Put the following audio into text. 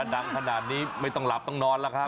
ดังขนาดนี้ไม่ต้องหลับต้องนอนแล้วครับ